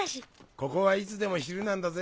ここはいつでも昼なんだぜ。